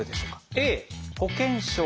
Ａ保険証。